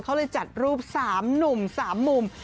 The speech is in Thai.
เขาเลยจัดรูป๓หนุ่ม๓มุม